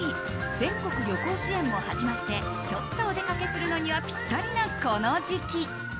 全国旅行支援も始まってちょっとおでかけするのにはぴったりなこの時期。